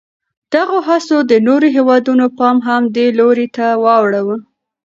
دغو هڅو د نورو هېوادونو پام هم دې لوري ته واړاوه.